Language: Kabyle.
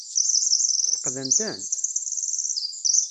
Ssfeqdent-tent?